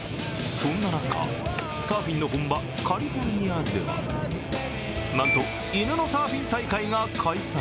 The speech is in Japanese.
そんな中、サーフィンの本場カリフォルニアではなんと、犬のサーフィン大会が開催